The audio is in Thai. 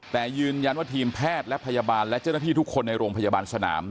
แต่ยืนยันว่าทีมแพทย์และพยาบาลและเจ้าหน้าที่ทุกคนในโรงพยาบาลสนาม